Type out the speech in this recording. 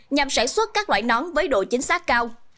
nhằm sản xuất các loại nón với độ chính xác cao